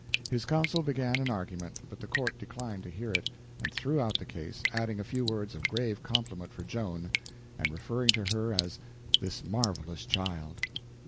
His counsel began an argument, but the court declined to hear it, and threw out the case, adding a few words of grave compliment for Joan, and referring to her as "this marvelous child."